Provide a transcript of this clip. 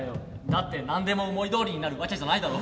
だって何でも思いどおりになるわけじゃないだろ？